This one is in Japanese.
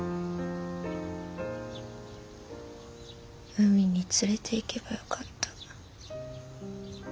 海に連れていけばよかった。